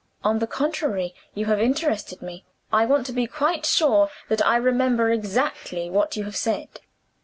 "On the contrary, you have interested me. I want to be quite sure that I remember exactly what you have said.